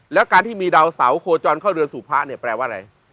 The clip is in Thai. และการที่มีดาวเสาโคจรเข้าเรือนสู่พรรดีแปรว่าไง